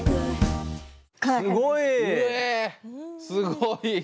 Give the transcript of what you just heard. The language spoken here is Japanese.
すごい。